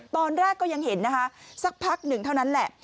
ตอนแรกก็ยังเห็นนะคะสักพักหนึ่งเท่านั้นแหละ